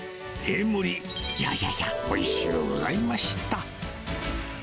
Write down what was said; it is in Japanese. Ａ盛り、いやいやいや、おいしゅうございました。